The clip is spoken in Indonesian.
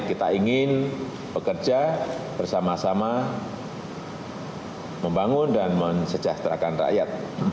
kita ingin bekerja bersama sama membangun dan mensejahterakan rakyat